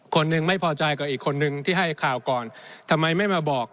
คนหนึ่งไม่พอใจกับอีกคนนึงที่ให้ข่าวก่อนทำไมไม่มาบอก